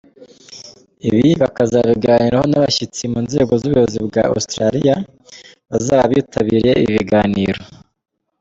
Ibi bakazanabiganiraho n’abashyitsi mu nzego z’ubuyobozi bwa Australia bazaba bitabiriye ibi biganiro.